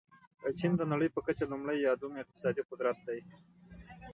چین د نړۍ په کچه لومړی یا دوم اقتصادي قدرت دی.